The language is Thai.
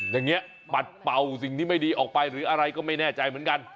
อย่างนี้ปัดเป่าสิ่งที่ไม่ดีออกไปหรืออะไรก็ไม่แน่ใจเหมือนกัน